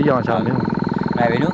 lý do là sao